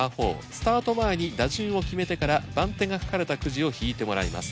スタート前に打順を決めてから番手が書かれたくじを引いてもらいます。